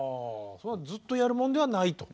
それはずっとやるもんではないと。